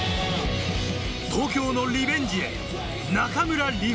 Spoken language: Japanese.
東京のリベンジへ、中村輪